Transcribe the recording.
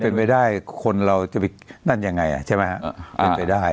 เป็นไปได้คนเราจะไปนั่นยังไงใช่ไหมฮะเป็นไปได้